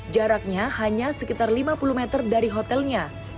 jaraknya hanya sekitar lima puluh meter dari hotelnya